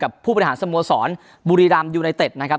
กับผู้ประหารสมสรรบุรีรัมย์ยูไนเต็ดนะครับ